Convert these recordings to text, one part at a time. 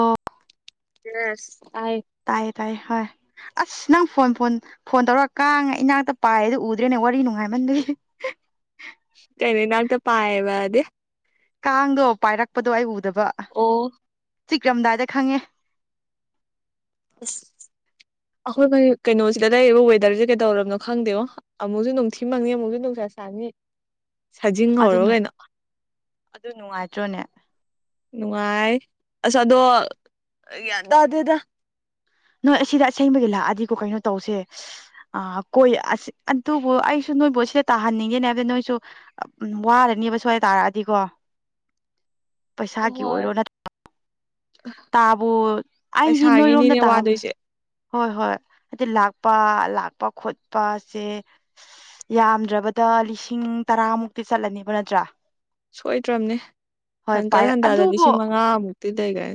ꯑꯣ ꯑ ꯇ ꯇꯥꯏꯌꯦ ꯍꯣꯏ ꯑꯁ ꯅꯪ ꯐꯣꯟ ꯐꯣꯟ ꯐꯣꯟ ꯇꯧꯔꯒ ꯀꯥꯡꯉ ꯏꯅꯥꯛꯇ ꯄꯥꯏꯗꯨ ꯎꯗ꯭ꯔꯦꯅꯦ ꯋꯥꯔꯤ ꯅꯨꯡꯉꯥꯏꯃꯟꯗꯣꯏ ꯆꯅꯤꯅꯥꯛꯇ ꯄꯥꯏꯌꯦꯕꯗꯤ ꯀꯥꯡꯗꯣ ꯄꯥꯏꯔꯛꯄꯗꯣ ꯑꯩ ꯎꯗꯕ ꯑꯣ ꯆꯤꯛꯔꯝꯗꯥꯏꯗ ꯈꯪꯉꯦ ꯑꯁ ꯑꯩꯈꯣꯏ ꯀꯩꯅꯣꯁꯤꯗ ꯂꯩꯔꯤꯕ ꯋꯦꯗꯔꯁꯦ ꯀꯩꯗꯧꯔꯕꯅꯣ ꯈꯪꯗꯦꯣ ꯑꯃꯨꯛꯁꯨ ꯅꯨꯡꯊꯤꯃꯛꯪꯅꯤ ꯑꯃꯨꯛꯁꯨ ꯅꯨꯡꯁꯥ ꯆꯥꯅꯤ ꯁꯥꯖꯤꯡ ꯍꯧꯧꯔꯣ ꯑꯗꯨꯅꯨ ꯀꯩꯅꯣ ꯑꯗꯨ ꯅꯨꯡꯉꯥꯏꯇ꯭ꯔꯣꯅꯦ ꯅꯨꯡꯉꯥꯏ ꯑꯁꯥꯗꯣ ꯌꯥꯗ ꯑꯗꯨꯗ ꯅꯣꯏ ꯑꯁꯤꯗ ꯑꯁꯦꯡꯕꯒꯤ ꯂꯥꯛꯑꯗꯤꯀꯣ ꯀꯩꯅꯣ ꯇꯧꯁꯦ ꯑ ꯀꯣꯏ ꯑ ꯑꯗꯨꯕꯨ ꯑꯩꯁꯨ ꯅꯣꯏꯕꯣꯠ ꯁꯤꯗ ꯇꯥꯍꯟꯅꯤꯡꯉꯦꯅꯦ ꯍꯥꯏꯕꯗꯤ ꯅꯣꯏꯁꯨ ꯎ ꯋꯥꯔꯅꯤꯕ ꯁ꯭ꯋꯥꯏ ꯇꯥꯔꯛꯑꯗꯤꯀꯣ [unintelligible] ꯄꯩꯁꯥꯒꯤ ꯍꯣꯏ ꯑꯣꯏꯔꯣ ꯅꯠꯇ꯭ꯔ ꯇꯥꯕ ꯑꯩꯗꯤ ꯅꯣꯏꯔꯣꯝꯗ ꯄꯩꯁꯥꯒꯤꯅꯤꯅꯦ ꯇꯥꯕ ꯋꯥꯗꯣꯏꯁꯦ ꯍꯣꯏ ꯍꯣꯏ ꯍꯥꯏꯗꯤ ꯂꯥꯛꯄ ꯂꯥꯛꯄ ꯈꯣꯠꯄꯁꯦ ꯌꯥꯝꯗ꯭ꯔꯕꯗ ꯂꯤꯁꯤꯡ ꯇꯔꯥꯃꯨꯛꯇꯤ ꯆꯠꯂꯅꯦꯕ ꯅꯠꯇ꯭ꯔꯥ ꯁꯣꯏꯗ꯭ꯔꯕꯅꯦ ꯍꯣꯏ ꯍꯟꯀꯟ ꯄꯥꯏꯔ ꯍꯟꯗꯥꯗ ꯑꯗꯨꯕꯨ ꯂꯤꯁꯤꯡ ꯃꯉꯥꯃꯨꯛꯇꯤ ꯂꯩꯈꯦ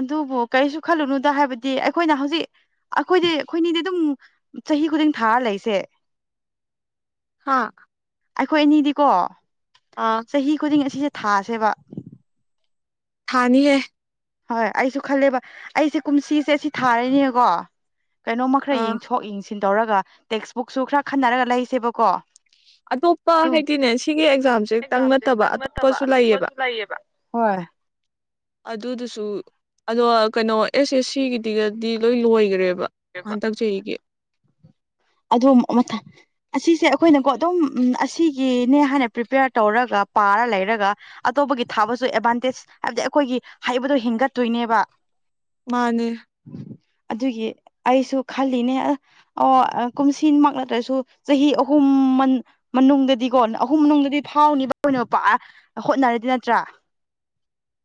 ꯑꯗꯨꯕꯨ ꯀꯔꯤꯁꯨ ꯈꯜꯂꯨꯅꯨꯗ ꯍꯥꯏꯕꯗꯤ ꯑꯩꯈꯣꯏꯅ ꯍꯧꯖꯤꯛ ꯑꯩꯈꯣꯏꯗꯤ ꯑꯩꯈꯣꯏꯅꯤꯗꯤ ꯑꯗꯨꯝ ꯆꯍꯤ ꯈꯨꯗꯤꯡ ꯊꯥꯔ ꯂꯩꯁꯦ ꯍꯥ ꯑꯩꯈꯣꯏ ꯑꯅꯤꯗꯤꯀꯣ ꯑꯥ ꯆꯍꯤ ꯈꯨꯗꯤꯡ ꯑꯁꯤꯁꯦ ꯊꯥꯥꯁꯦꯕ ꯊꯥꯅꯤ ꯍ ꯍꯣꯏ ꯑꯩꯁꯨ ꯈꯜꯂꯦꯕ ꯑꯩꯁꯦ ꯀꯨꯝꯁꯤꯁꯦ ꯑꯁꯤ ꯊꯥꯔꯅꯦꯀꯣ ꯀꯩꯅꯣꯃ ꯈꯔ ꯑꯥ ꯌꯦꯡꯊꯣꯛ ꯌꯦꯡꯁꯤꯟ ꯇꯧꯔꯒ ꯇꯦꯛꯁ ꯕꯨꯛꯁꯨ ꯈꯔ ꯈꯟꯅꯔꯒ ꯂꯩꯁꯦꯕꯀꯣ ꯑꯇꯣꯞꯄ ꯑꯗꯨꯝ ꯍꯥꯏꯗꯤꯅꯦ ꯁꯤꯒꯤ ꯑꯦꯛꯖꯥꯝꯁꯦꯛꯇꯪ ꯅꯠꯇꯕ ꯑꯇꯣꯞꯄꯁꯨ ꯂꯩꯌꯦꯕ ꯍꯣꯏ ꯑꯗꯨꯗꯨꯁꯨ ꯑꯗꯣ ꯀꯩꯅꯣ ꯑꯦꯁ ꯑꯦꯁ ꯁꯤꯒꯤꯗꯤꯒꯗꯤ ꯂꯣꯏ ꯂꯣꯏꯈ꯭ꯔꯦꯕ ꯍꯟꯗꯛ ꯆꯍꯤꯒꯤ ꯑꯗꯨ ꯃꯊꯪ ꯑꯁꯤꯁꯦ ꯑꯩꯈꯣꯏꯅꯀꯣ ꯑꯗꯨꯝ ꯑꯁꯤꯒꯤꯅꯦ ꯍꯥꯏꯅ ꯄ꯭ꯔꯤꯄꯦꯌꯥꯔ ꯇꯧꯔꯒ ꯄꯥꯔ ꯂꯩꯔꯒ ꯑꯇꯣꯞꯄꯒꯤ ꯊꯥꯕꯁꯨ ꯑꯦꯗꯚꯥꯟꯇꯦꯖ ꯍꯥꯏꯕꯗꯤ ꯑꯩꯈꯣꯏꯒꯤ ꯍꯩꯕꯗꯣ ꯍꯤꯡꯒꯠꯇꯣꯏꯅꯦꯕ ꯃꯥꯅꯦ ꯑꯗꯨꯒꯤ ꯑꯩꯁꯨ ꯈꯜꯂꯤꯅꯦ ꯑꯣ ꯀꯨꯝꯁꯤꯃꯛ ꯅꯗ꯭ꯔꯁꯨ ꯆꯍꯤ ꯑꯍꯨꯝ ꯃꯅꯨꯡꯗꯗꯤꯀꯣ ꯑꯍꯨꯝ ꯃꯅꯨꯡꯗꯗꯤ ꯐꯥꯎꯅꯤꯕ ꯀꯩꯅꯣ ꯄ ꯍꯣꯠꯅꯔꯗꯤ ꯅꯠꯇ꯭ꯔꯥ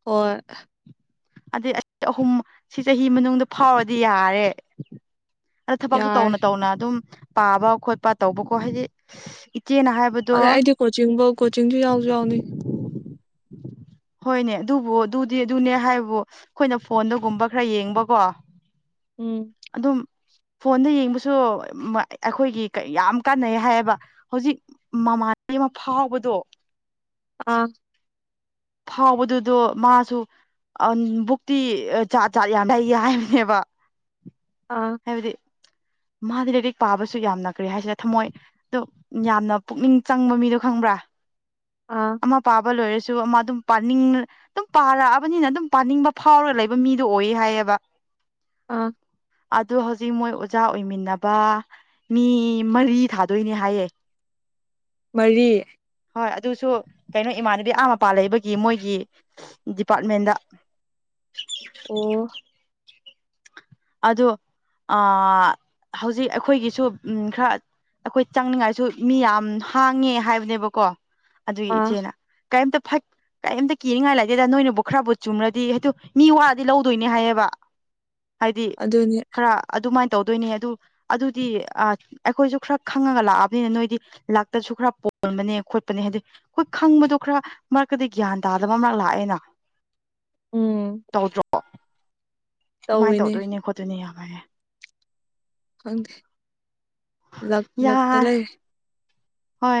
ꯍꯣꯏ ꯑꯗꯨꯗꯩ ꯑꯍꯨꯝ ꯁꯤ ꯆꯍꯤ ꯃꯅꯨꯡꯗ ꯐꯥꯎꯔꯗꯤ ꯌꯥꯔꯦ ꯑꯗ ꯊꯕꯛꯁꯨ ꯌꯥꯔꯦ ꯇꯧꯅ ꯇꯧꯅ ꯑꯗꯨꯝ ꯄꯥꯕ ꯈꯣꯠꯄ ꯇꯧꯕꯀꯣ ꯍꯥꯏꯗꯤ ꯆꯦꯅ ꯍꯥꯏꯕꯗꯣ ꯑꯗꯩ ꯑꯩꯗꯤ ꯀꯣꯆꯤꯡꯕꯨ ꯀꯣꯆꯤꯡꯁꯨ ꯌꯥꯎꯁꯨ ꯌꯥꯎꯅꯤ ꯍꯣꯏꯅꯦ ꯑꯗꯨꯕꯨ ꯑꯗꯨꯗꯤ ꯑꯗꯨꯅꯦ ꯍꯥꯏꯕꯣ ꯑꯩꯈꯣꯏꯅ ꯐꯣꯟꯗꯒꯨꯝꯕ ꯈꯔ ꯌꯦꯡꯕꯀꯣ ꯎꯝ ꯑꯗꯨꯝ ꯐꯣꯟꯗ ꯌꯦꯡꯕꯁꯨ ꯑꯩꯈꯣꯏꯒꯤ ꯌꯥꯝ ꯀꯥꯟꯅꯩ ꯍꯥꯏꯌꯦꯕ ꯍꯧꯖꯤꯛ ꯃꯃꯥꯟ ꯑꯃ ꯐꯥꯎꯕꯗꯣ ꯑꯥ ꯐꯥꯎꯕꯗꯨꯗꯣ ꯃꯥꯁꯨ ꯕꯨꯛꯇꯤ ꯆꯥ ꯆꯥꯠ ꯌꯥꯅꯩꯌꯦ ꯍꯥꯏꯕꯅꯦꯕ ꯑꯥ ꯍꯥꯏꯕꯗꯤ ꯃꯥꯗꯤ ꯂꯥꯏꯔꯤꯛ ꯄꯥꯕꯁꯨ ꯌꯥꯝꯅꯈ꯭ꯔꯦ ꯍꯥꯏꯁꯤꯔ ꯊꯝꯃꯣꯏ ꯑꯣ ꯌꯥꯝꯅ ꯄꯨꯛꯅꯤꯡ ꯆꯪꯕ ꯃꯤꯗꯣ ꯈꯪꯕ꯭ꯔꯥ ꯑꯥ ꯑꯃ ꯃ ꯄꯕ ꯂꯣꯏꯔꯁꯨ ꯨ ꯑꯃ ꯑꯗꯨꯝ ꯄꯥꯅꯤꯡ ꯑꯗꯨꯝ ꯄꯥꯔꯛꯑꯕꯅꯤꯅ ꯑꯗꯨꯝ ꯄꯥꯅꯤꯡꯕ ꯐꯥꯎꯔꯒ ꯂꯩꯕ ꯃꯤꯗꯣ ꯑꯣꯏ ꯍꯥꯏꯌꯦꯕ ꯑꯥ ꯑꯗꯨ ꯍꯧꯖꯤꯛ ꯃꯣꯏ ꯆꯖꯥ ꯑꯣꯏꯃꯤꯟꯅꯕ ꯃꯤ ꯃꯔꯤ ꯊꯥꯗꯣꯏꯅꯦ ꯍꯥꯏꯌꯦ ꯃꯔꯤ ꯍꯣꯏ ꯑꯗꯨꯁꯨ ꯀꯩꯅꯣ ꯏꯃꯥꯟꯅꯕꯤ ꯑꯥ ꯃꯄꯥ ꯂꯩꯕꯒꯤ ꯃꯣꯏꯒꯤ ꯗꯤꯄꯥꯔꯠꯃꯦꯟꯗ [unintelligible] ꯑꯣ ꯑꯣ ꯍꯧꯖꯤꯛ ꯑꯩꯈꯣꯏꯒꯤꯁꯨ ꯈꯔ ꯑꯩꯈꯣꯏ ꯆꯪꯅꯤꯡꯉꯥꯏꯁꯨ ꯃꯤ ꯌꯥꯝ ꯍꯥꯡꯉꯦ ꯍꯥꯏꯕꯅꯦꯕꯀꯣ ꯑꯗꯨꯒꯤ ꯑꯥ ꯏꯆꯦꯅ ꯀꯥꯏꯝꯇ ꯐꯥꯏ ꯀꯔꯤꯝꯇ ꯀꯤꯅꯤꯡꯉꯥꯏ ꯂꯩꯇꯦꯗ ꯅꯣꯏꯅꯕꯨ ꯈꯔꯕꯨ ꯆꯨꯝꯅꯗꯤ ꯍꯥꯏꯗ ꯃꯤ ꯋꯥꯗꯤ ꯂꯧꯗꯣꯏꯅꯦ ꯍꯥꯏꯌꯦꯕ [unintelligible] ꯍꯥꯏꯗꯤ ꯑꯗꯨꯅꯤ ꯈꯔ ꯑꯗꯨꯃꯥꯏꯅ ꯇꯧꯗꯣꯏꯅꯦ ꯑꯗꯨ ꯑꯗꯨꯗꯤ ꯑꯩꯈꯣꯏꯁꯨ ꯈꯔ ꯈꯪꯉꯒ ꯂꯥꯛꯑꯕꯅꯤꯅ ꯅꯣꯏꯗꯤ ꯂꯥꯛꯇꯁꯨ ꯈꯔ ꯌꯣꯟꯕꯅꯦ ꯈꯣꯠꯄꯅꯦ ꯍꯥꯏꯗꯤ ꯑꯩꯈꯣꯏ ꯈꯪꯕꯗꯣ ꯈꯔ ꯃꯔꯛꯇꯗꯤ ꯒ꯭ꯌꯥꯟ ꯇꯥꯗꯕ ꯑꯃꯛ ꯂꯥꯛꯑꯦꯅ ꯎꯝ ꯇꯧꯗ꯭ꯔꯣ ꯁꯨꯃꯥꯏꯅ ꯇꯧꯋꯤꯅꯦ ꯇꯧꯗꯣꯏꯅꯦ ꯈꯣꯠꯇꯣꯏꯅꯦ ꯌꯥꯝ ꯍꯥꯏꯔꯦ ꯈꯪꯗꯦ ꯂꯛ ꯌꯥ ꯂꯛꯇ ꯂꯩꯔꯦ ꯍꯣꯏ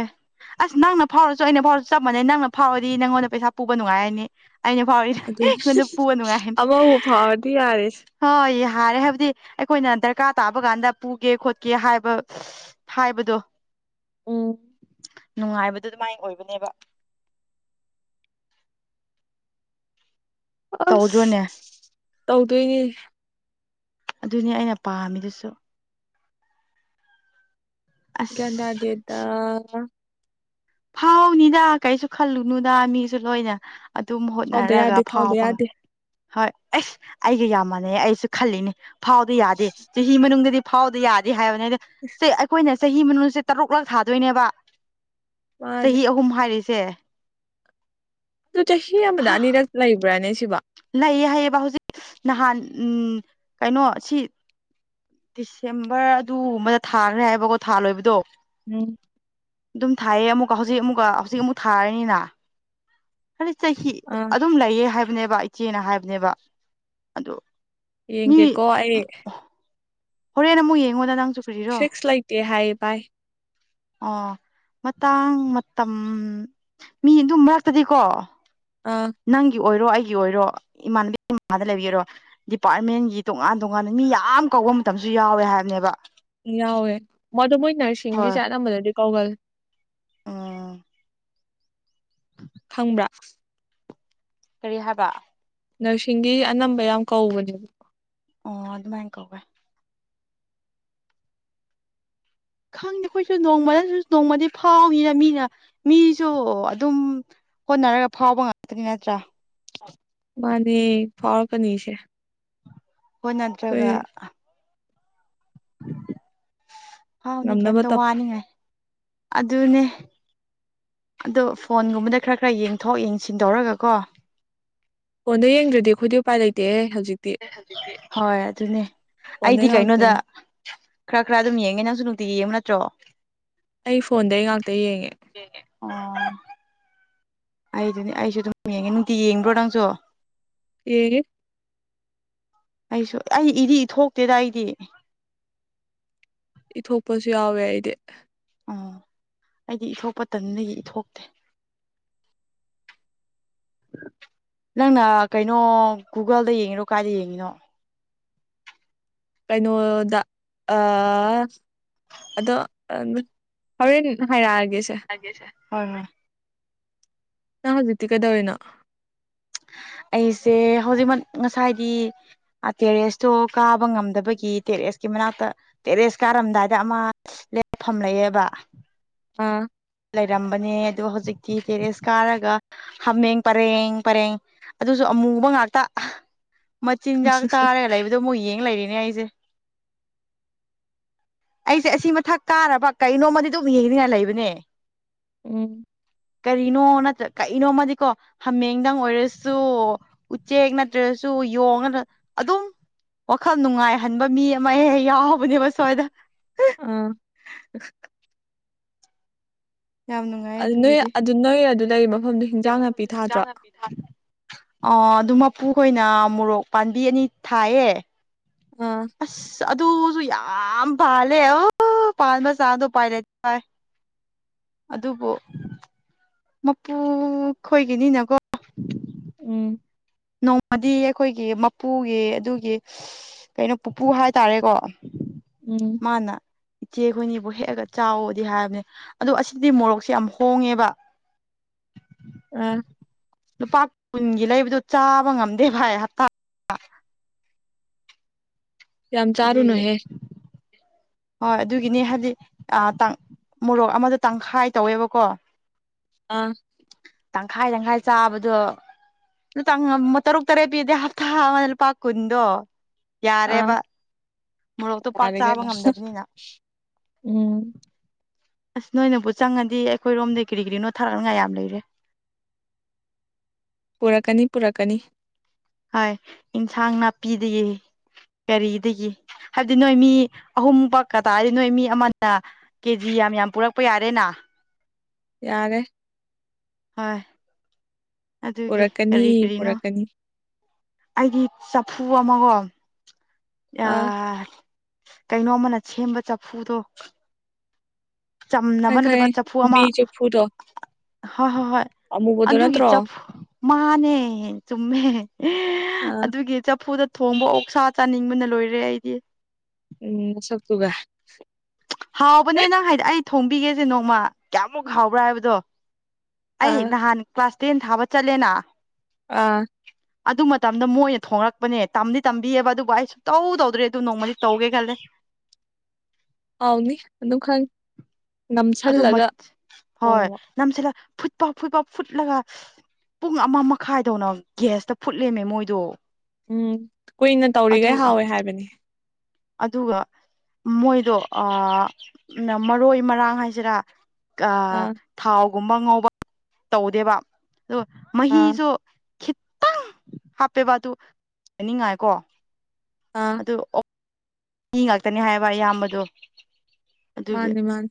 ꯑꯁ ꯅꯪꯅ ꯐꯥꯎꯔꯁꯨ ꯑꯩꯅ ꯐꯥꯎꯔꯁꯨ ꯆꯞ ꯃꯥꯟꯩ ꯅꯪꯅ ꯐꯥꯎꯔꯗꯤ ꯅꯪꯉꯣꯟꯗ ꯄꯩꯁꯥ ꯄꯨꯕ ꯅꯨꯡꯉꯥꯏ ꯔꯅꯤ ꯑꯩꯅ ꯐꯥꯎꯏꯗ ꯑꯗꯨꯅꯤ ꯑꯩꯉꯣꯟꯗ ꯄꯨꯕ ꯅꯨꯡꯉꯥꯏꯅꯤ ꯑꯃꯕꯨ ꯐꯥꯎꯔꯗꯤ ꯌꯥꯔꯦ ꯍꯣꯏ ꯌꯥ ꯌꯥꯔꯦ ꯍꯥꯏꯕꯗꯤ ꯑꯩꯈꯣꯏꯅ ꯗꯔꯀꯥꯔ ꯇꯥꯕ ꯀꯥꯟꯗ ꯄꯨꯒꯦ ꯈꯣꯠꯀꯦ ꯍꯥꯏꯕ ꯍꯥꯏꯕꯗꯣ ꯑꯣ ꯅꯨꯡꯉꯥꯏꯕꯗꯨ ꯑꯗꯨꯃꯥꯏꯅ ꯑꯣꯏꯕꯅꯦꯕ ꯑꯁ ꯇꯧꯗ꯭ꯔꯣꯅꯦ ꯇꯧꯗꯣꯏꯅꯦ ꯑꯗꯨꯅꯤ ꯑꯩꯅ ꯄꯥꯝꯃꯤꯗꯨꯁꯨ ꯑꯁ ꯀꯗꯥꯗꯦꯗ ꯐꯥꯎꯅꯤꯗ ꯀꯩꯁꯨ ꯈꯜꯂꯨꯅꯨꯗ ꯃꯤꯁꯨ ꯂꯣꯏꯅ ꯑꯗꯨꯝ ꯐꯥꯎꯗ ꯍꯣꯠꯅꯔꯒ ꯌꯥꯗꯦ ꯐꯥꯎꯗ ꯐꯥꯎꯕ ꯌꯥꯗꯦ ꯍꯣꯏ ꯑꯩꯁ ꯑꯩꯒ ꯌꯥꯝꯃꯥꯟꯅꯩ ꯑꯩꯁꯨ ꯈꯜꯂꯤꯅꯦ ꯐꯥꯎꯗꯤ ꯌꯥꯗꯦ ꯆꯍꯤ ꯃꯅꯨꯡꯗ ꯗꯤ ꯐꯥꯎꯗꯤ ꯌꯥꯗꯦ ꯍꯥꯏꯕꯅꯤ ꯑꯗ ꯑꯩꯈꯣꯏꯅ ꯆꯍꯤ ꯃꯅꯨꯡꯁꯦ ꯇꯔꯨꯛꯂꯛ ꯊꯥꯗꯣꯏꯅꯦꯕ ꯃꯥꯅꯦ ꯆꯍꯤ ꯑꯍꯨꯝ ꯍꯥꯏꯔꯤꯁꯦ ꯑꯗꯨ ꯆꯍꯤ ꯑꯃꯗ ꯑꯅꯤꯔꯛ ꯂꯩꯕ꯭ꯔꯥꯅꯦ ꯁꯤꯕꯣ ꯍꯥꯏꯌꯦ ꯍꯥꯏꯌꯦꯕ ꯍꯧꯖꯤꯛ ꯅꯍꯥꯟ ꯎ ꯀꯩꯅꯣ ꯁꯤ ꯗꯤꯁꯦꯝꯕꯔ ꯑꯗꯨꯨꯝꯕꯗ ꯊꯥꯈ꯭ꯔꯦ ꯍꯥꯏꯕꯀꯣ ꯊꯥ ꯂꯣꯏꯕꯗꯣ ꯎꯝ ꯑꯗꯨꯝ ꯊꯥꯏꯌꯦ ꯑꯃꯨꯛꯀ ꯍꯧꯖꯤꯛ ꯑꯃꯨꯛꯀ ꯍꯧꯖꯤꯛ ꯑꯃꯨꯛ ꯊꯥꯔꯅꯤꯅ ꯍꯥꯏꯗꯤ ꯆꯍꯤ ꯑꯥ ꯑꯗꯨꯝ ꯂꯩꯌꯦ ꯍꯥꯏꯕꯅꯦꯕ ꯏꯆꯦꯅ ꯍꯥꯏꯕꯅꯦꯕ ꯑ ꯌꯦꯡ ꯒꯦꯀꯣ ꯑꯩ ꯍꯣꯔꯦꯟ ꯅ ꯑꯃꯨꯛ ꯌꯦꯡꯉꯣꯗ ꯅꯪꯁꯨ ꯀꯔꯤꯔꯣ ꯐꯤꯛꯁ ꯂꯩꯇꯦ ꯍꯥꯏꯌꯦ ꯚꯥꯏ ꯑꯣ ꯃꯇꯥꯡ ꯃꯇꯝ ꯃꯤ ꯑꯗꯨ ꯃꯔꯛꯇꯗꯤꯀꯣ ꯑꯥ ꯅꯪꯒꯤ ꯑꯣꯏꯔꯣ ꯑꯩꯒꯤ ꯑꯣꯏꯔꯣ ꯏꯃꯥꯟꯅꯕꯤ ꯗ ꯂꯩꯕꯤꯒꯔꯣ ꯗꯤꯄꯥꯔꯠꯃꯦꯟꯒꯤ ꯇꯣꯉꯥꯟ ꯇꯣꯉꯥꯟ ꯃꯤ ꯌꯥꯝ ꯀꯧꯕ ꯃꯇꯝꯁꯨ ꯌꯥꯎꯋꯦ ꯍꯥꯏꯕꯅꯦꯕ ꯅꯔꯁꯤꯁꯤꯡꯒꯤꯁꯦ ꯍꯣꯏ ꯑꯅꯝꯕꯅꯗꯤ ꯀꯧꯒꯜꯂꯦ ꯎꯝ ꯈꯪꯕ꯭ꯔꯥ ꯀꯔꯤ ꯍꯥꯏꯕ ꯅꯔꯁꯤꯡꯒꯤ ꯑꯅꯝꯕ ꯌꯥꯝ ꯀꯧꯕꯅꯦꯕ ꯑꯣ ꯑꯗꯨꯃꯥꯏꯅ ꯀꯧꯋꯦ ꯈꯪꯅꯤ ꯑꯩꯈꯣꯏꯁꯨ ꯅꯣꯡꯃꯗꯁꯨ ꯅꯣꯡꯃꯗꯤ ꯐꯥꯎꯅꯤꯅ ꯃꯤꯅ ꯃꯤꯁꯨ ꯑꯗꯨꯝ ꯍꯣꯠꯅꯔꯒ ꯐꯥꯎꯕ ꯉꯥꯛꯇꯅꯤ ꯅꯠꯇ꯭ꯔꯥ ꯃꯥꯅꯦ ꯐꯥꯎꯔꯛꯀꯅꯤꯁꯦ ꯍꯣꯠ ꯅꯇ꯭ꯔꯒ ꯑꯩꯈꯣꯏ ꯐꯥꯎꯅꯤ ꯉꯝꯅꯕ ꯀꯩꯝꯇ ꯇꯧ ꯋꯥꯅꯤꯉꯥꯏ ꯑꯗꯨꯅꯦ ꯑꯗꯣ ꯐꯣꯟꯒꯨꯝꯕꯗ ꯈꯔ ꯈꯔ ꯌꯦꯡꯊꯣꯛ ꯌꯦꯡꯁꯤꯟ ꯇꯧꯔꯒꯀꯣ ꯐꯣꯟꯗꯣ ꯌꯦꯡꯗ꯭ꯔꯗꯤ ꯑꯩꯈꯣꯏꯗꯤ ꯎꯄꯥꯏ ꯂꯩꯇꯦꯍꯦ ꯍꯧꯖꯤꯛꯇꯤ ꯍꯣꯏ ꯑꯗꯨꯅꯦ ꯐꯣꯟꯗꯩ ꯑꯩꯗꯤ ꯀꯩꯅꯣꯗ ꯉꯥꯛꯇꯅꯤ ꯈꯔ ꯈꯔ ꯑꯗꯨꯝ ꯌꯦꯡꯉꯦ ꯅꯪꯁꯨ ꯅꯨꯡꯇꯤ ꯌꯦꯡꯉꯨ ꯅꯠꯇ꯭ꯔꯣ ꯑꯩ ꯐꯣꯟꯗꯩ ꯉꯥꯛꯇ ꯌꯦꯡꯉꯦ ꯑꯩꯗꯤ ꯑꯩꯁꯨ ꯑꯗꯨꯝ ꯌꯦꯡꯉꯦ ꯅꯨꯡꯇꯤ ꯌꯦꯡꯕ꯭ꯔꯣ ꯅꯪꯁꯨ ꯌꯦꯡꯉꯦ ꯑꯩꯁꯨ ꯑꯩ ꯏꯗꯤ ꯏ ꯊꯣꯛꯇꯦꯗ ꯑꯩꯗꯤ ꯥꯏꯊꯣꯛꯄꯁꯨ ꯌꯥꯎꯋꯦ ꯑꯩꯗꯤ ꯑꯣ ꯑꯩꯗꯤ ꯏꯊꯣꯛꯄ ꯇꯟꯅꯤ ꯏꯊꯣꯛꯇꯦ ꯅꯪꯅ ꯀꯩꯅꯣ ꯒꯨꯒꯜꯗ ꯌꯦꯡꯉꯤꯔꯣ ꯀꯥꯏꯗ ꯌꯦꯡꯉꯤꯅꯣ ꯀꯩꯅꯣꯗ ꯑ ꯑꯗꯣ ꯇꯟꯕꯅꯤ ꯍꯣꯔꯦꯟ ꯍꯥꯏꯔꯛꯑꯒꯦ ꯒꯤꯁ‌ꯦ ꯍꫭꯏ ꯍꯣꯏ ꯅꯪ ꯍꯧꯖꯤꯛꯇꯤ ꯀꯩꯗꯧꫪꯤꯅꯣ ꯑꯩꯁꯦ ꯍꯧꯖꯤꯛꯃꯛ ꯉꯁꯥꯏꯗꯤ ꯇꯦꯔꯦꯁꯇꯣ ꯀꯥꯕ ꯉꯝꯗꯕꯒꯤ ꯇꯦꯔꯦꯁ ꯃꯅꯥꯛꯇ ꯇꯦꯔꯦꯁ ꯀꯥꯔꯝꯗꯥꯏꯗ ꯑꯃ ꯂꯦꯞꯐꯝ ꯂꯩꯑꯕ ꯑꯥ ꯂꯩꯔꯝꯕꯅꯦ ꯑꯗꯣ ꯍꯧꯖꯤꯛꯇꯤ ꯇꯦꯔꯦꯁ ꯀꯥꯔꯒ ꯍꯥꯃꯦꯡ ꯄꯔꯦꯡ ꯄꯔꯦꯡ ꯑꯗꯨꯁꯨ ꯑꯃꯨꯕ ꯉꯥꯛꯇ ꯃꯆꯤꯟꯖꯥꯛ ꯆꯥꯔꯒ ꯂꯩꯕꯗꯣ ꯃꯣꯏ ꯌꯦꯡꯉ ꯂꯩꯔꯤꯅꯤ ꯑꯩꯖ‌ꯦ ꯑꯩꯁꯦ ꯑꯁꯤ ꯃꯊꯛ ꯀꯥꯔꯕ ꯀꯩꯅꯣꯝꯃꯗꯤ ꯑꯗꯨꯝ ꯌꯦꯡꯅꯤꯡꯉꯥꯏ ꯂꯩꯕꯅꯦ ꯎꯝ ꯀꯔꯤꯅꯣ ꯅꯠꯇ꯭ꯔ ꯀꯔꯤꯅꯣꯃꯗꯤꯀꯣ ꯍꯥꯃꯦꯡꯗꯪ ꯑꯣꯏꯔꯁ ꯁꯨ ꯎꯆꯦꯛ ꯅꯠꯇ꯭ꯔꯁꯨ ꯌꯣꯡ ꯅꯇ꯭ꯔ ꯑꯗꯨꯝ ꯋꯥꯈꯜ ꯅꯨꯡꯉꯥꯏꯍꯟꯕ ꯃꯤ ꯑꯃ ꯍꯦꯛ ꯍꯦꯛ ꯌꯥꯎꯕꯅꯦꯕ ꯁ꯭ꯋꯥꯏꯗ ꯑꯥ ꯌꯥꯝ ꯑꯗꯨ ꯅꯣꯏ ꯑꯗꯨ ꯅꯣꯏ ꯑꯗꯨ ꯂꯩꯕꯣ ꯃꯐꯝꯗꯨ ꯍꯤꯖꯥꯡ ꯅꯥꯄꯤ ꯑ ꯑꯗꯨ ꯃꯞ ꯄꯨꯈꯣꯏꯅ ꯃꯣꯔꯣꯛ ꯄꯥꯝꯕꯤ ꯑꯅꯤ ꯊꯥꯏꯌꯦ ꯑꯥ ꯑꯁ ꯑꯗꯨꯁꯨ ꯌꯥ‌ꯝ ꯑꯝ ꯄꯜꯂ‌ꯦ ꯆꯥꯡꯗꯣ ꯄꯥꯏꯂꯥꯏ ꯑꯗꯨꯕꯨ ꯃꯄꯨ ꯈꯣꯏꯒꯤꯅꯤꯅꯀꯣ ꯎꯝ ꯅꯣꯡꯃꯗꯤ ꯑꯩꯈꯣꯏꯒꯤ ꯃꯄꯨꯒꯤ ꯑꯗꯨꯒꯤ ꯀꯩꯅꯣ ꯄꯨꯄꯨ ꯍꯥꯏꯇꯥꯔꯦꯀꯣ ꯎꯝ ꯃꯥꯅ ꯏꯆꯦ ꯈꫭꯏꯅꯤꯕꯨ ꯍꯦꯛꯑꯒ ꯆꯥꯎꯑꯣꯗꯤ ꯍꯥꯏꯕꯅꯦ ꯑꯗꯣ ꯑꯁꯤꯗꯤ ꯃꯣꯔꯣꯛꯁꯦ ꯌꯥꯝ ꯍꯣꯡꯉꯦꯕ ꯎꯝ ꯂꯨꯄꯥ ꯀꯨꯟꯒꯤ ꯂꯩꯕꯗꯣ ꯆꯥꯕ ꯉꯝꯗꯦ ꯚꯥꯏ ꯍꯞꯇꯥ ꯌꯥꯝ ꯆꯥꯔꯨꯅꯨ ꯑꯗꯨꯒꯤ ꯍꯦ ꯍꯣꯏ ꯑꯗꯨꯒꯤꯅꯤ ꯍꯥꯗꯤ ꯑ ꯇꯥꯡ ꯃꯣꯔꯣꯛ ꯑꯃꯗ ꯇꯪꯈꯥꯏ ꯇꯧꯋꯦꯕꯀꯣ ꯑꯥ ꯇꯪꯈꯥꯏ ꯇꯪꯈꯥꯏ ꯆꯥꯕꯗꯣ ꯑꯗꯨ ꯇꯥꯡ ꯉꯝꯃꫭ ꯇꯔꯨꯛ ꯇꯔꯦꯠ ꯄꯤꯗꯦ ꯍꯞꯇꯥ ꯑꯃꯗ ꯂꯨꯄꯥ ꯀꯨꯟꯗꯣ ꯑꯥ ꯌꯥꯔꯦꯕ ꯃꯣꯔꯣꯛꯇꯣ ꯄꯥꯛ ꯌꯥꯔꯦ ꯆꯥꯕ ꯀꯩꯅꯣ ꯉꯝꯗꯕ ꯎꯝ ꯑꯁ ꯅꯣꯏꯅꯕꯨ ꯆꯪꯉꯗꯤ ꯑꯩꯈꯣꯏꯔꯣꯝꯗꯤ ꯀꯔꯤ ꯀꯔꯤꯅꯣ ꯊꯥꯔꯛꯅꯤꯉꯥꯏ ꯌꯥꯝ ꯂꯩꯔꯦ ꯄꯨꯔꯛꯀꯥꯅꯤ ꯄꯨꯔꯛꯀꯥꯅꯤ ꯍꯣꯏ ꯏꯤꯟꯁꯥꯡ ꯅꯥꯄꯤꯗꯤ ꯀꯔꯤꯗꯒꯤ ꯍꯥꯏꯕꯗꯤ ꯅꯣꯏ ꯃꯤ ꯑꯍꯨꯝꯕꯛ ꯄꯗꯥꯏꯗ‌ꯤ ꯅꯣꯏ ꯃꯤ ꯑꯃꯅ ꯀꯦꯖꯤ ꯌꯥꯝ ꯌꯥꯝ ꯄꯨꯔꯛꯄ ꯌꯥꯔꯦꯅ ꯌꯥꫪ‌ꯦ ꯍꯣꯏ ꯑꯗꯨꯒꯤ ꯄꯨꯔꯛꯀꯅꯤ ꯀꯔꯤ ꯀꯔꯤꯅꯣ ꯄꯨꯔꯛꯀꯅꯤ ꯑꯩꯗꯤ ꯆꯐꯨ ꯑꯃꯒꯣ ꯑ ꯑꯥ ꯀꯩꯅꯣ ꯑꯃꯅ ꯁꯦꯝꯕ ꯆꯐꯨꯗꯣ ꯆꯝꯅꯃꯥ ꯈꯪꯉꯦ ꯈꯪꯉꯦ ꯅꯠꯇꯕ ꯆꯐꯨ ꯑꯃ ꯅꯨꯡꯕꯤ ꯆꯐꯨꯗꯣ ꯍꯣꯏ ꯍꯣꯏ ꯍꯣꯏ ꯑꯃꯨꯕꯗꯣ ꯑꯗꯨꯒꯤ ꯅꯠꯇ꯭ꯔꯣ ꯆꯐꯨ ꯃꯥꯅꯦ ꯆꯨꯝꯃꯦ ꯑꯦ ꯑꯥ ꯑꯗꯨꯒꯤ ꯆꯐꯨꯗ ꯊꯣꯡꯕ ꯑꫭꯛꯁꯥ ꯆꯥꯅꯤꯡꯕꯅ ꯂꯣꯏꯔꯦ ꯑꯩꯗꯤ ꯎꯝ ꯁꯛ ꯇꯨꯒ ꯍꯥꯎꯕꯅꯦ ꯅꯪ ꯍꯥꯏꯗꯤ ꯑꯩ ꯊꯣꯡꯕꯤꯒꯦꯁꯦ ꯅꯣꯡꯃ ꯀꯌꯥꯃꯨꯛ ꯍꯥꯎꯕ꯭ꯔꯥ ꯍꯥꯏꯕꯗꯣ ꯑꯩ ꯑꯥ ꯅꯍꯥꯟ ꯀ꯭ꯂꯥꯁ ꯇꯦꯟ ꯊꯥꯕ ꯆꯠꯂꯦꯅ ꯑꯥ ꯑꯗꯨ ꯃꯇꯝꯗ ꯃꯣꯏ ꯑꯣꯏꯅ ꯊꯣꯡꯂꯛꯄꯅꯦ ꯇꯝꯗꯤ ꯇꯝꯕꯤꯑꯕ ꯑꯗꯨꯕꯨ ꯑꯩ ꯁꯨꯛꯇꯧ ꯇꯧꯗ꯭ꯔꯦ ꯑꯗꯨ ꯅꯣꯡꯃꯗꯤ ꯇꯧꯒꯦ ꯈꯜꯂꯦ ꯑꯥꯎꯅꯤ ꯑꯗꯨ ꯈꯪ ꯑꯗꯨ ꯃ ꯍꯣꯏ ꯅꯝꯁꯂ ꯐꯨꯠꯄ ꯐꯨꯠꯄ ꯐꯨꯠꯂꯒ ꯄꯨꯡ ꯑꯃ ꯃꯈꯥꯏꯗꯧꯅ ꯒ꯭ꯌꯥꯁꯇ ꯐꯨꯠꯂꯃꯦ ꯃꯣꯏꯗꯣ ꯎꯝ ꯀꯨꯏꯅ ꯑꯗꯨ ꯇꯧꯔꯤꯈꯩ ꯍꯥꯎꯋꯦ ꯍꯥꯏꯕꯅꯤ ꯑꯗꯨꯒ ꯃꯣꯏꯗꯣ ꯃꯔꯣꯏ ꯃꯔꯥꯡ ꯍꯥꯏꯁꯤꯔꯥ ꯑꯥ ꯊꯥꯎꯒꯨꯝꯕ ꯉꯧꯕ ꯇꯧꯗꯦꯕ ꯑ ꯑꯥ ꯃꯍꯤꯁꯨ ꯈꯤꯇꯪ ꯍꯥꯞꯄꯦꯕ ꯑꯗꯨ ꯍꯥꯏꯅꯤꯡꯉꯥꯏꯀꯣ ꯑꯥ ꯑꯗꯨ ꯃꯤ ꯉꯥꯛꯇꯅꯤ ꯍꯥꯏꯕ ꯏꯌꯥꯝꯕꯗꯣ ꯃꯥꯅꯦ ꯃꯥꯅꯤ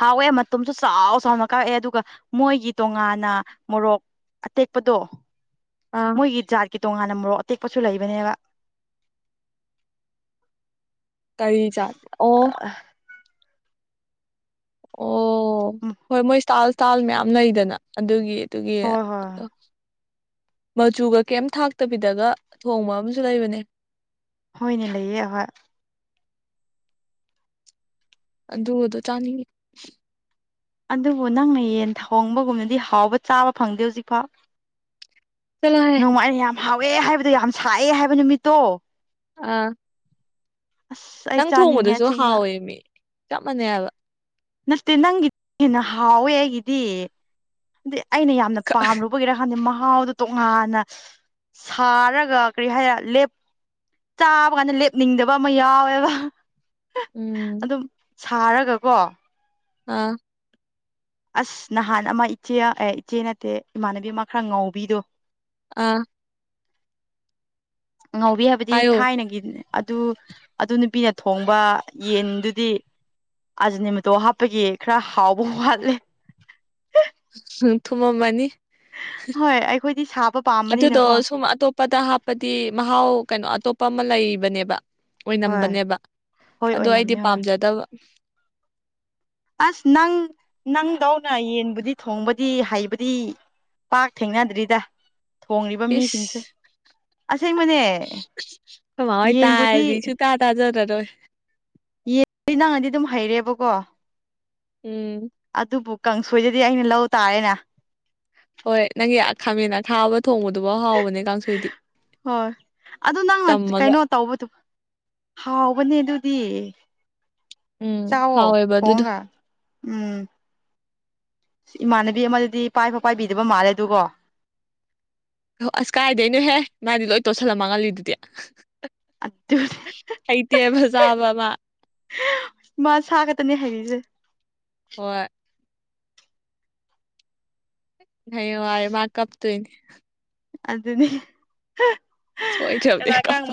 ꯍꯥꯎꯑꯦ ꯃꯇꯨꯝꯁꯨ ꯆꯥꯎ ꯆꯥꯎꯅ ꯀꯥꯛꯑꯦ ꯑꯗꯨꯒ ꯃꯣꯏꯒꯤ ꯇꯣꯉꯥꯟꯅ ꯃꯣꯔꯣꯛ ꯑꯇꯦꯛꯄꯗꯣ ꯑꯥ ꯃꯣꯏꯒꯤ ꯖꯥꯠꯀꯤ ꯇꯣꯉꯥꯟꯅ ꯃꯣꯛ ꯑꯇꯦꯛꯄꯁꯨ ꯂꯩꯕꯅꯦꯕ ꯀꯔꯤ ꯆꯥꯗ ꯑꯣ ꯑꯣ ꯍꯣꯏ ꯃꯣꯏ ꯏꯁꯇꯥꯥꯏꯜ ꯏꯁꯇꯥꯥꯏꯜ ꯃꯌꯥꯝ ꯂꯩꯗꯅ ꯑꯗꯨꯒꯤ ꯑꯗꯨꯒꯤ ꯍꯣꯏ ꯍꯣꯏ ꯃꯆꯨꯒ ꯀꯩꯝ ꯊꯥꯛꯇꯕꯤꯗꯒ ꯊꯣꯡꯕ ꯑꯃꯁꯨ ꯂꯩꯕꯅꯦ ꯍꯣꯏꯅꯦ ꯂꯩꯌꯦ ꯍꯣꯏ ꯑꯗꯨ ꯑꯗꯨꯣ ꯆꯥꯅꯤꯡꯉꯤ ꯑꯗꯨꯕꯨ ꯅꯪꯅ ꯌꯦꯟ ꯊꯣꯡꯕꯒꯨꯝꯅꯗꯤ ꯍꯥꯎꯕ ꯆꯥꯕ ꯐꯪꯗꯦ ꯍꯧꯖꯤꯛꯐꯥꯎ ꯆꯂꯣ ꯍꯥꯏꯦ ꯍꯥꯎꯑꯦ ꯍꯥꯏꯕꯗꯨꯣ ꯌꯥꯝ ꯁꯥꯏꯑꯦ ꯍꯥꯏꯕ ꯅꯨꯃꯤꯠꯇꯣ ꯑꯥ ꯑꯁ ꯑꯩ ꯅꯪ ꯆꯥꯅꯤꯡꯉꯦ ꯊꯣꯡꯕꯗꯨꯁꯨ ꯑꯁꯦꯡꯕ ꯍꯥꯎꯋꯦ ꯃꯤ ꯆꯞ ꯃꯥꯟꯅꯩ ꯍꯥꯏꯕ ꯅꯠꯇꯦ ꯅꯪꯒꯤꯗꯤꯟꯅ ꯍꯥꯎꯋꯦ ꯑꯩꯒꯤꯗꯤ ꯑꯗꯨꯗꯤ ꯑꯩꯅ ꯌꯥꯝꯅ ꯄꯥꯝꯂꯨꯕꯒꯤꯔꯥ ꯈꯥꯟꯗꯤ ꯃꯍꯥꯛ ꯃꯍꯥꯎꯗꯣ ꯇꯣꯉꯥꯟꯅ ꯁꯥꯔꯒ ꯀꯔꯤ ꯍꯥꯏꯔ ꯂꯦꯞ ꯆꯥꯕ ꯀꯥꯟꯗ ꯂꯦꯞꯅꯤꯡꯗꯕ ꯑꯃ ꯌꯥꯎꯋꯦꯕ ꯎꯝ ꯑꯗꯨꯝ ꯁꯥꯔꯒꯀꯣ ꯑꯥ ꯑꯁ ꯅꯍꯥꯟ ꯑꯃ ꯏꯆꯦ ꯑꯦ ꯏꯆꯦ ꯅꯠꯇꯦ ꯏꯃꯥꯟꯅꯕꯤ ꯑꯃ ꯈꯔ ꯉꯥꯎꯕꯤꯗꯣ ꯑꯥ ꯉꯥꯎꯤ ꯍꯥꯏꯕꯗꯤ ꯍꯥꯏꯌꯣ ꯊꯥꯏꯅꯒꯤ ꯑꯗꯨ ꯑꯗꯨ ꯅꯨꯄꯤꯅ ꯊꯣꯡꯕ ꯌꯦꯟꯗꯨꯗꯤ ꯑꯥꯖꯅꯦ ꯃꯇꯇꯣ ꯍꯥꯞꯄꯒꯤ ꯈꯔ ꯍꯥꯎꯕ ꯋꯥꯠꯂꯦ ꯊꯨꯃ ꯃꯅꯤ ꯍꯣꯏ ꯑꯩꯈꯣꯏꯗꯤ ꯁꯥꯕ ꯑꯗꯨꯗꯣ ꯄꯥꯝꯕꯅꯤꯅꯀꯣ ꯁꯨꯝ ꯑꯇꯣꯞꯄꯗ ꯍꯥꯞꯄꯗꯤ ꯃꯍꯥꯎ ꯀꯩꯅꯣ ꯑꯇꯣꯞ ꯑꯄ ꯑꯃ ꯂꯩꯕꯅꯦꯕ ꯍꯣꯏ ꯑꯣꯏꯅꯝꯕꯅꯦꯕ ꯍꯣꯏ ꯑꯗꯣ ꯑꯩꯗꯤ ꯑꯣꯏꯅꯝꯅꯤ ꯍꯣꯏ ꯄꯥꯝꯖꯗꯕ ꯑꯁ ꯅꯪ ꯅꯪꯗꯧꯅ ꯌꯦꯟꯕꯨꯗꯤ ꯊꯣꯡꯕꯗꯤ ꯍꯩꯕꯗꯤ ꯄꯥꯛ ꯊꯦꯡꯅꯗ꯭ꯔꯤꯗ ꯊꯣꯡꯉꯕ ꯃꯤꯁꯤꯡꯁꯦ ꯑꯁꯦꯡꯕꯅꯦ ꯣꯏ ꯌꯦꯟꯕꯨꯗꯤ ꯇꯥꯏꯁꯨꯨ ꯇꯥ ꯇꯥꯖ ꯇꯔꯣ ꯌꯦ ꯅꯪꯅꯗꯤ ꯑꯗꯨꯝ ꯍꯩꯔꯦꯕꯀꯣ ꯎꯝ ꯑꯗꯨꯕꯨ ꯀꯥꯡꯁꯣꯏꯗꯗꯤ ꯑꯩꯅ ꯂꯧ ꯇꯥꯔꯦꯅꯦ ꯍꯣꯏ ꯅꯪꯒꯤ ꯈꯥꯃꯦꯟ ꯈꯥꯕ ꯍꯣꯏ ꯑꯗꯨ ꯅꯪꯅ ꯆꯝꯃꯒ ꯀꯩꯅꯣ ꯇꯧꯕꯗꯨ ꯍꯥꯎꯅꯦ ꯗꯤ ꯎꯝ ꯆꯥꯎꯋꯣ ꯍꯥꯎꯋꯦꯕ ꯑꯗꯨꯗꯣ ꯊꯣꯡꯒ ꯎꯝ ꯏꯃꯥꯟꯅꯕꯤ ꯑꯃꯗꯗꯤ ꯏ ꯄꯥꯏꯕ ꯄꯥꯏꯕꯤꯗꯕ ꯃꯥꯜꯂꯦ ꯑꯗꯨꯒꯣ ꯑꯣ ꯑꯁ ꯀꯥꯏꯗ ꯑꯩꯅꯣꯍꯦ ꯃꯥꯗꯤ ꯂꯣꯏ ꯇꯣꯠꯁꯜꯂꯝ ꯃꯥꯡꯍꯜꯂꯤꯗꯨꯗꯤ ꯑꯗꯨ ꯑꯇꯦ ꯐꯖꯥꯕ ꯑꯃ ꯃꯥꯁ ꯍꯥꯒꯇꯅꯤ ꯍꯥꯏꯒꯤꯁꯦ ꯍꯣꯏ ꯅꯔ ꯃꯥ ꯀꯞ ꯇ ꯑꯗꯨꯅꯦ ꯁꯣꯏ ꯆꯕꯗꯤ ꯀꯄ